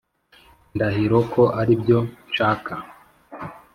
ndahiro ko aribyo nshaka.